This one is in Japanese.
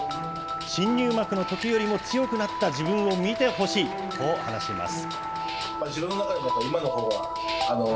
新入幕のときよりも強くなった自分を見てほしいと話します。